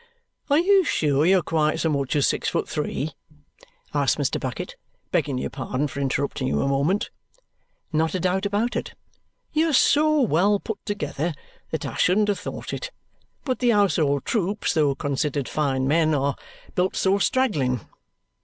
"Are you sure you're quite so much as six foot three?" asks Mr. Bucket. "Begging your pardon for interrupting you a moment?" Not a doubt about it. "You're so well put together that I shouldn't have thought it. But the household troops, though considered fine men, are built so straggling.